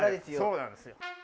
そうなんですよ。